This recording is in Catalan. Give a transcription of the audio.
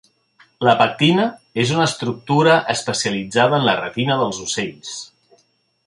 La pectina és una estructura especialitzada en la retina dels ocells.